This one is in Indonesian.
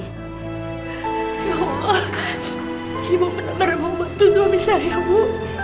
ya allah ibu benar benar mau bantu suami saya bu